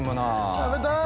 食べたい！